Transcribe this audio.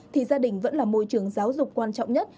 thì gia đình vẫn là môi trường giáo dục quan trọng nhất